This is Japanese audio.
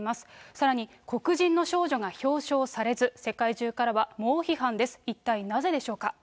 さらに黒人の少女が表彰されず、世界中からは猛批判です。